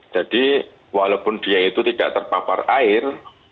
walaupun dia itu tidak terpapar air